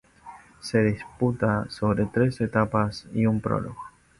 Se disputa sobre tres etapas y un prólogo.